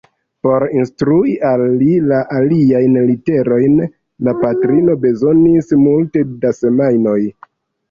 Por instrui al li la aliajn literojn, la patrino bezonis multe da semajnoj.